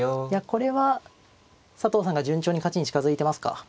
これは佐藤さんが順調に勝ちに近づいてますか。